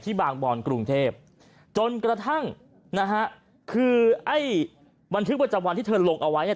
บางบอนกรุงเทพจนกระทั่งนะฮะคือไอ้บันทึกประจำวันที่เธอลงเอาไว้เนี่ย